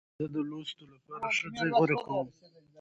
زه د لوستو لپاره ښه ځای غوره کوم.